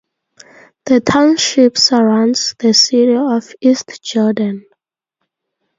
The township surrounds the city of East Jordan.